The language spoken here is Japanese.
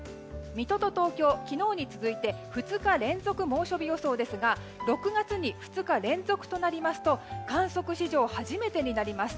水戸と東京は昨日に続いて２日連続猛暑日予想ですが６月に２日連続となりますと観測史上初めてになります。